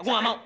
aku gak mau